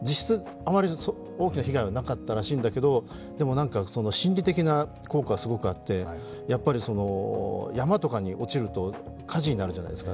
あまり大きな被害はなかったらしいんだけど、でも心理的な効果がすごくあって、山とかに落ちると、火事になるじゃないですか。